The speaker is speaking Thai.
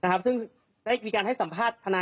การทำการให้สัมภาษณ์ทนาย